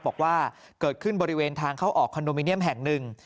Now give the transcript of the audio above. บอกว่าเกิดขึ้นบริเวณทางเข้าออกคอนโดมิเนียมแห่งหนึ่ง